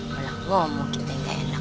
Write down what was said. malah gua mau kita yang gak enak